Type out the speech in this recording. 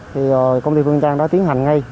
thì công ty phương trang đã tiến hành ngay